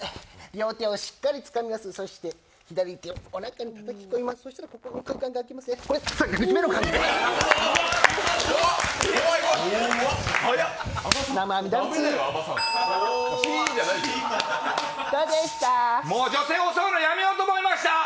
両手をしっかりつかみます、そして左手をおなかにたたき込みます、そうしたら、ここの肩があきますねそうしたら！